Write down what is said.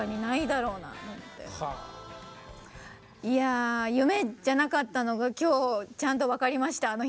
いや夢じゃなかったのが今日ちゃんと分かりました。